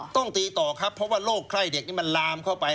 ต้องตีต่อครับเพราะว่าโรคไข้เด็กนี่มันลามเข้าไป